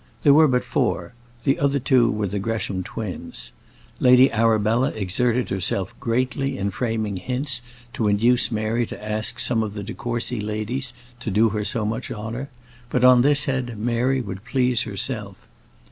There were but four: the other two were the Gresham twins. Lady Arabella exerted herself greatly in framing hints to induce Mary to ask some of the de Courcy ladies to do her so much honour; but on this head Mary would please herself.